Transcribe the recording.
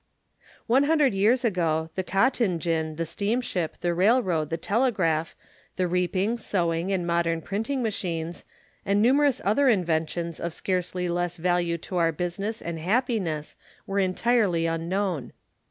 One hundred years ago the cotton gin, the steamship, the railroad, the telegraph, the reaping, sewing, and modern printing machines, and numerous other inventions of scarcely less value to our business and happiness were entirely unknown.